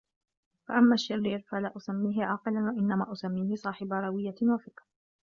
فَأَمَّا الشِّرِّيرُ فَلَا أُسَمِّيهِ عَاقِلًا وَإِنَّمَا أُسَمِّيهِ صَاحِبَ رَوِيَّةٍ وَفِكْرٍ